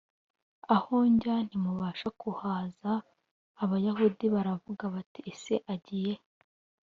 Aho njya ntimubasha kuhaza Abayahudi baravuga bati ese agiye he